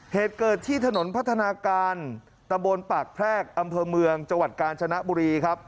เหตุเกิดที่ถนนพัฒนาการตะบนปากแพรกอำเภอเมืองจังหวัดกาญจนบุรีครับ